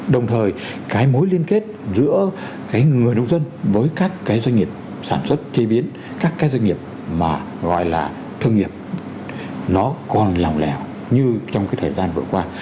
đồng thời cái mối liên kết giữa cái người nông dân với các cái doanh nghiệp sản xuất chế biến các cái doanh nghiệp mà gọi là thương nghiệp nó còn lỏng lẻo như trong cái thời gian vừa qua